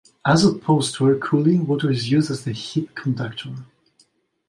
As opposed to air cooling, water is used as the heat conductor.